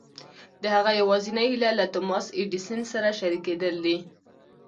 د هغه يوازېنۍ هيله له توماس اې ايډېسن سره شريکېدل دي.